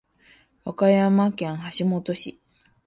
和歌山県橋本市